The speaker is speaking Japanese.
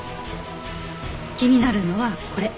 気になるのはこれ。